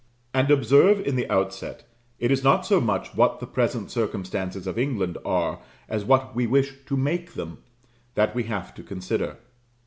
And observe in the outset, it is not so much what the present circumstances of England are, as what we wish to make them, that we have to consider.